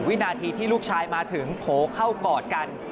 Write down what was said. วินาทีที่ลูกชายมาถึงโผล่เข้ากอดกัน